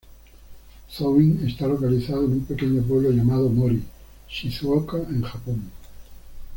Zoun-in está localizado en un pequeño pueblo llamado Mori, Shizuoka en Japón.